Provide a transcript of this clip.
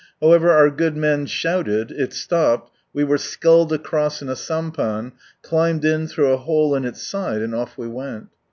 However, our good men shouted, it stopped, we were sculled across in a sampan, climbed in through a hole in Its side, and off we went.